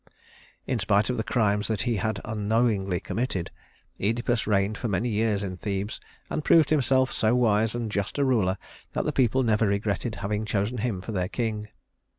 In spite of the crimes that he had unknowingly committed, Œdipus reigned many years in Thebes, and proved himself so wise and just a ruler that the people never regretted having chosen him for their king.